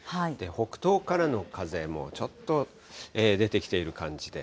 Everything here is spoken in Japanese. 北東からの風もちょっと出てきている感じで。